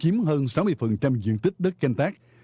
kiếm hơn sáu mươi diện tích đất canh tác